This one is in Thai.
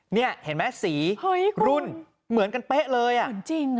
เนี่ยเห็นไหมสี